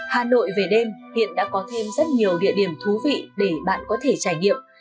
hà nội về đêm hiện đã có thêm rất nhiều địa điểm thú vị để bạn có thể trải nghiệm